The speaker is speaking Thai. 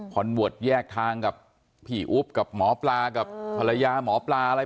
เวิร์ตแยกทางกับพี่อุ๊บกับหมอปลากับภรรยาหมอปลาอะไร